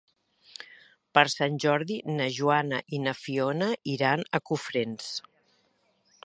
Per Sant Jordi na Joana i na Fiona iran a Cofrents.